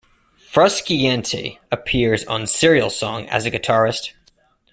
Frusciante appears on "Cereal Song" as a guitarist.